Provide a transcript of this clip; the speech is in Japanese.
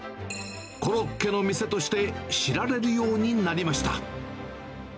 コロッケの店として知られるようになりました。